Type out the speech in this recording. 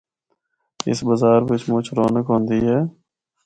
اس بازار بچ مُچ رونق ہوندی ہے۔